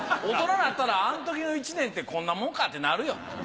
大人なったらあんときの１年ってこんなもんかってなるよ。